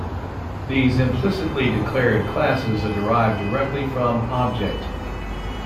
These implicitly-declared classes are derived directly from "object".